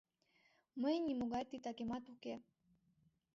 Мыйын нимогай титакемат уке.